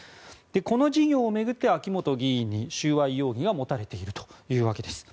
この事業を巡って秋本議員に収賄容疑が持たれているというわけです。